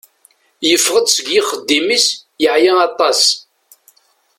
Yeffeɣ-d seg yixeddim-is, yeɛya atas.